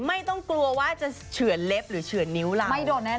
ไม่ต้องกลัวว่าจะเฉือนเล็บหรือเฉือนนิ้วเรา